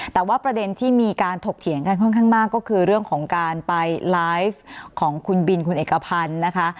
แต่ว่าประเด็นที่มีการถกเถียงกันค่อนข้างมากก็คือเรื่องของการไปไลฟ์ของคุณบินคุณเอกพันธ์นะคะ